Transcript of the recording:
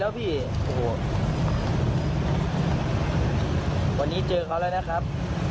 วันนี้เจอเขาแล้วนะครับ